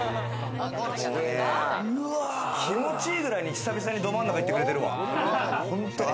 気持ちいいぐらい、久々にど真ん中いってくれてるわ。